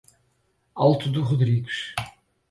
Alto do Rodrigues